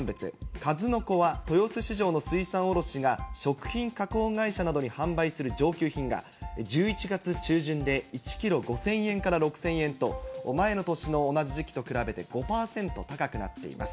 カズノコは豊洲市場の水産卸が、食品加工会社などに販売する上級品が１１月中旬で１キロ５０００円から６０００円と、前の年の同じ時期と比べて５％高くなっています。